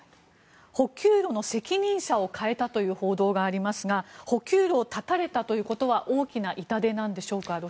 補給路の責任者を変えたという報道がありますが補給路を断たれたということは大きな痛手なのでしょうか。